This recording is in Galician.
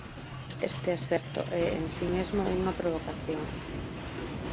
Este aserto é en si mesmo unha provocación.